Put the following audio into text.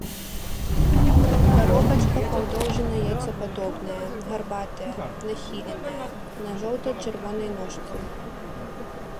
Каробачка падоўжана-яйцападобная, гарбатая, нахіленая, на жоўта-чырвонай ножцы.